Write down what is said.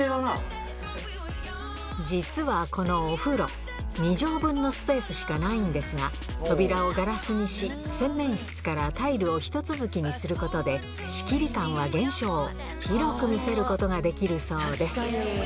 実はこのお風呂２畳分のスペースしかないんですが扉をガラスにし洗面室からタイルをひと続きにすることで仕切り感は減少広く見せることができるそうです